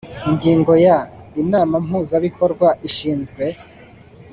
Ingingo ya Inama mpuzabikorwa ishinzwe